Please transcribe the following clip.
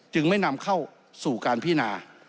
ไม่นำเข้าสู่การพินา